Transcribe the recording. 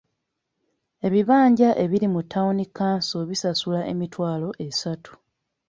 Ebibanja ebiri mu Town Council bisasula emitwalo esatu.